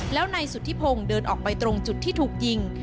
แล้วนายสุธิพงศ์เดินออกไปตรงจุดที่ถูกยิง